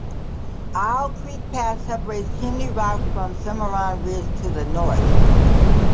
Owl Creek Pass separates Chimney Rock from Cimarron Ridge to the north.